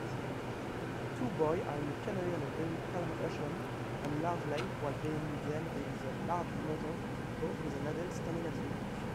Two boys are in a canoe on a very calm ocean or large lake while behind them is a larger motor boat with an adult standing on the deck